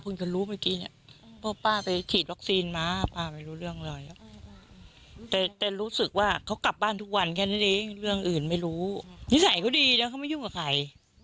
นิสัยเขาดีนะเขาไม่ยุ่งกับใคร